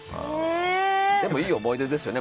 でも、いい思い出ですね。